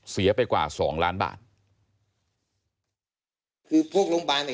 เสียไปกว่า๒ล้านบาท